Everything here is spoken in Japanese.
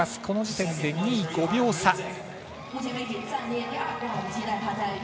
この時点で２位、５秒差。